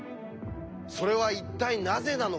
それは一体なぜなのか。